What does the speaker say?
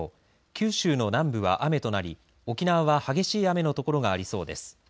九州の南部は雨となり沖縄は激しい雨の所がありそうです。